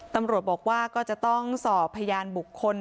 ตำรวจบอกว่าก็จะต้องสอบพยานบุคคล